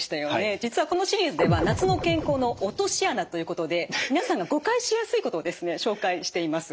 実はこのシリーズでは夏の健康の“落とし穴”ということで皆さんが誤解しやすいことを紹介しています。